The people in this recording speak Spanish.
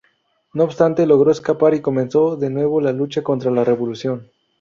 No obstante, logró escapar y comenzó de nuevo la lucha contra la Revolución.